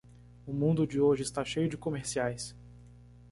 O mundo de hoje está cheio de comerciais.